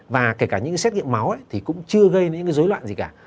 và kể cả những cái xét nghiệm máu ấy thì cũng chưa gây những cái rối loạn gì cả